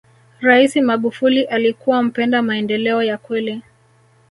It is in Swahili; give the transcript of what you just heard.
raisi magufuli alikuwa mpenda maendeleo ya kweli